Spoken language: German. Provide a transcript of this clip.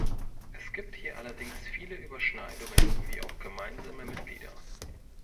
Es gibt hier allerdings viele Überschneidungen, wie auch gemeinsame Mitglieder.